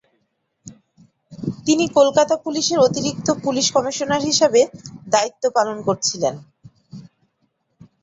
তিনি কলকাতা পুলিশের অতিরিক্ত পুলিশ কমিশনার হিসাবে দায়িত্ব পালন করছিলেন।